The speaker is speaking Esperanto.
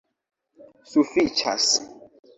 Sufiĉas!